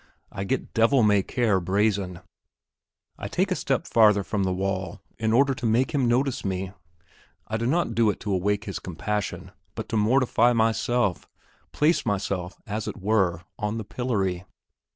I get devil may care brazen. I take yet a step farther from the wall in order to make him notice me. I do not do it to awake his compassion, but to mortify myself, place myself, as it were, on the pillory.